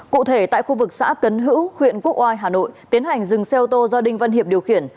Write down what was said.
cụ thể tại khu vực xã cấn hữu huyện quốc oai hà nội tiến hành dừng xe ô tô do đinh văn hiệp điều khiển